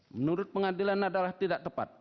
menurut pengadilan adalah tidak tepat